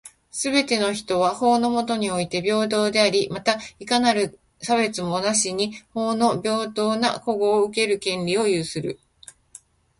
すべての人は、法の下において平等であり、また、いかなる差別もなしに法の平等な保護を受ける権利を有する。